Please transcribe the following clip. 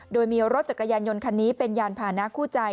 โดยมีรถจักรยานยนต์คันนี้เป็นยานพานะคู่ใจ